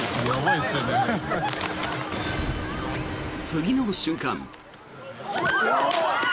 次の瞬間。